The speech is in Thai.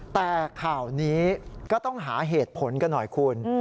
แต่ข่าวนี้ก็ต้องหาเหตุผลกันหน่อยคุณ